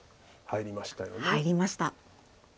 入りました。